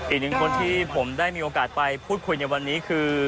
อีกหนึ่งคนที่ผมได้มีโอกาสไปพูดคุยในวันนี้คือ